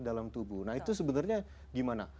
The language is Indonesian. dalam tubuh nah itu sebenarnya gimana